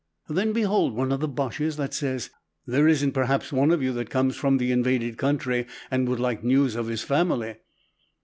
"Then behold one of the Boches that says, 'There isn't perhaps one of you that comes from the invaded country and would like news of his family?'